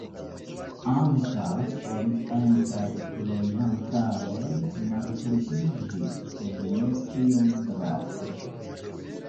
Ankaŭ orientaj loĝantaroj malpliiĝis, sed ne tiom draste.